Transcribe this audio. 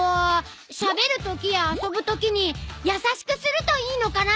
しゃべるときや遊ぶときにやさしくするといいのかな。